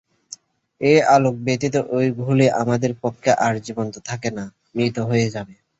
এই আলোক ব্যতীত ঐগুলি আমাদের পক্ষে আর জীবন্ত থাকবে না, মৃত হয়ে যাবে।